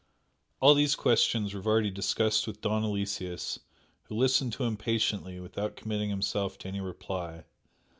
All these questions Rivardi discussed with Don Aloysius, who listened to him patiently without committing himself to any reply.